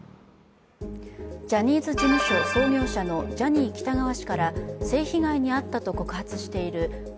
ジャニーズ事務所創業者のジャニー喜多川氏から性被害に遭ったと告発している元